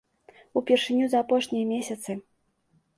Упершыню за апошнія месяцы.